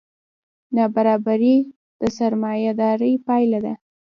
نابرابري د سرمایهدارۍ پایله ده.